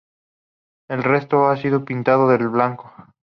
El resto ha sido pintado de blanco.